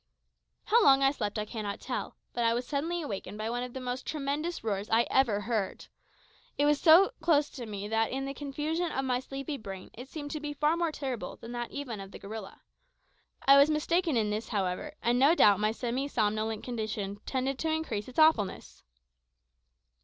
How long I slept I cannot tell, but I was suddenly awakened by one of the most tremendous roars I ever heard. It was so chose to me that, in the confusion of my sleepy brain, it seemed to be far more terrible than that even of the gorilla. I was mistaken in this, however, and no doubt my semi somnolent condition tended to increase its awfulness.